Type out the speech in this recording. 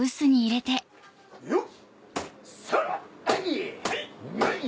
よっ！